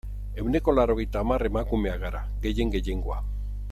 Ehuneko laurogeita hamar emakumeak gara, gehien gehiengoa.